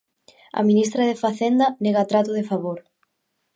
A ministra de Facenda nega trato de favor.